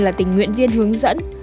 là tình nguyện viên hướng dẫn